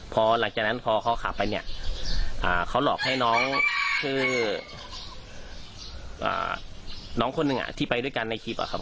พอหลังจากนั้นพอเขาขับไปเนี่ยเขาหลอกให้น้องชื่อน้องคนหนึ่งที่ไปด้วยกันในคลิปอะครับ